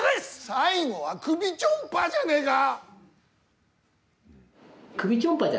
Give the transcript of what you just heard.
最後は首ちょんぱじゃねえか！